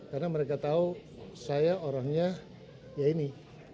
karena mereka tahu saya orangnya ya ini